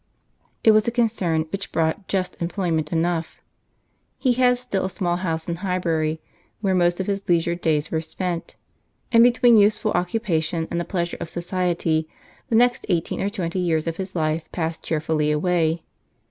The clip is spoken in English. It was a concern which brought just employment enough. He had still a small house in Highbury, where most of his leisure days were spent; and between useful occupation and the pleasures of society, the next eighteen or twenty years of his life passed cheerfully away.